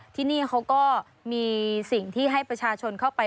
ที่นี่เขาก็มีสิ่งที่ให้ประชาชนเข้าไป